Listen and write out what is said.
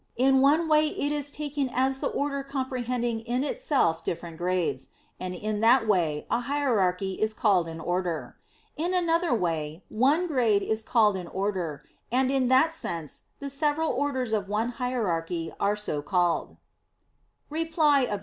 In one way it is taken as the order comprehending in itself different grades; and in that way a hierarchy is called an order. In another way one grade is called an order; and in that sense the several orders of one hierarchy are so called. Reply Obj.